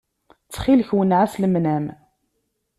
Ttxil-k wenneɛ-as lemnam.